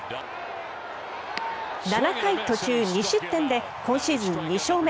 ７回途中２失点で今シーズン２勝目。